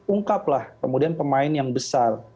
ungkaplah kemudian pemain yang besar